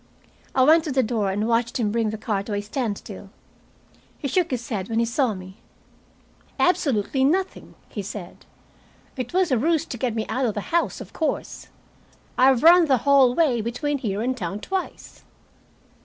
I went to the door and watched him bring the car to a standstill. He shook his head when he saw me. "Absolutely nothing," he said. "It was a ruse to get me out of the house, of course. I've run the whole way between here and town twice."